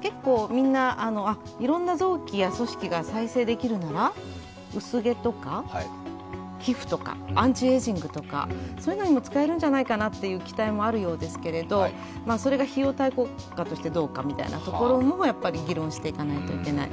結構、みんな、いろいろな臓器や組織が再生できるなら薄毛とか皮膚とか、アンチエイジングとか、そういうのにも使えるんじゃないかなという期待もあるようですがそれが費用対効果としてどうかみたいなところも議論していかないといけない。